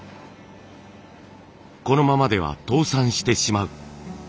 このままでは倒産してしまう。